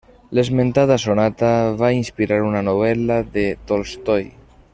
L'esmentada sonata va inspirar una novel·la de Tolstoi.